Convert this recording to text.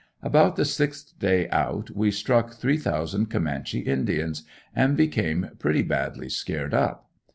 About the sixth day out we struck three thousand Comanche Indians and became pretty badly scared up.